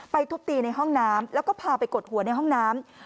ทุบตีในห้องน้ำแล้วก็พาไปกดหัวในห้องน้ำ